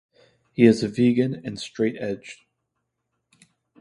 He is a vegan and straight edge.